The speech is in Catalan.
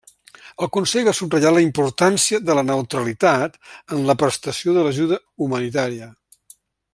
El Consell va subratllar la importància de la neutralitat en la prestació de l'ajuda humanitària.